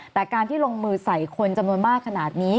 แต่การที่ลงมือใส่คนจำนวนมากขนาดนี้